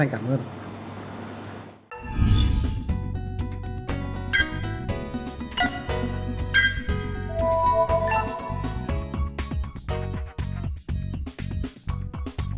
cảm ơn luật sư về cuộc giao đổi vừa rồi